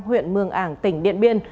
huyện mương ảng tỉnh điện biên